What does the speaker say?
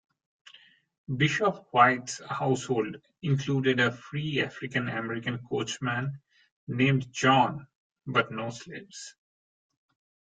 Bishop White's household included a free African American coachman, named John, but no slaves.